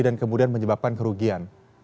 dan kemudian menyebabkan kerugian